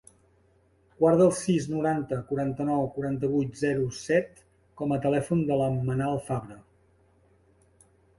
Guarda el sis, noranta, quaranta-nou, quaranta-vuit, zero, set com a telèfon de la Manal Fabre.